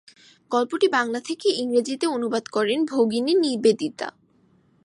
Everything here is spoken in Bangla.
গল্পটি বাংলা থেকে ইংরেজিতে অনুবাদ করেন ভগিনী নিবেদিতা।